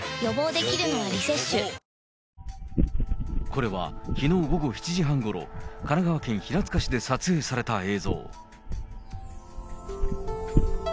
これはきのう午後７時半ごろ、神奈川県平塚市で撮影された映像。